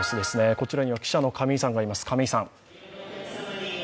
こちらには記者の亀井さんがいます。